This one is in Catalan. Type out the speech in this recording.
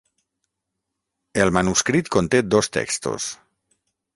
El manuscrit conté dos textos.